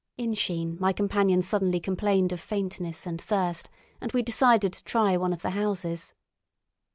In Sheen my companion suddenly complained of faintness and thirst, and we decided to try one of the houses.